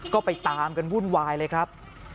ก็ไปตามกันวุ่นวายเลยครับ